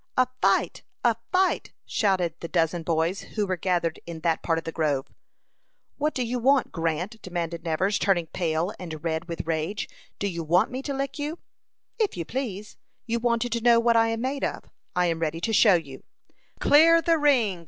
"A fight! A fight!" shouted the dozen boys who were gathered in that part of the grove. "What do you want, Grant?" demanded Nevers, turning pale and red with rage. "Do you want me to lick you?" "If you please. You wanted to know what I am made of. I am ready to show you." "Clear the ring!"